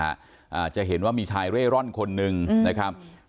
อ่าจะเห็นว่ามีชายเร่ร่อนคนหนึ่งนะครับ